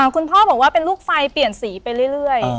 คุณพ่อบอกว่าเป็นลูกไฟเปลี่ยนสีไปเรื่อย